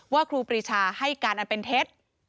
ครูปรีชาให้การอันเป็นเท็จ